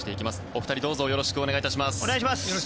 お二人、どうぞよろしくお願いします。